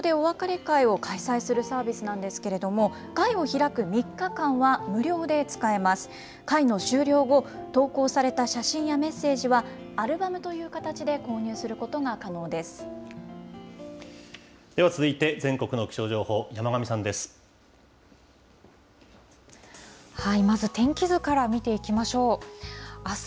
会の終了後、投稿された写真やメッセージは、アルバムという形で購入することが可能です。